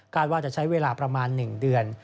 ว่าจะใช้เวลาประมาณ๑เดือน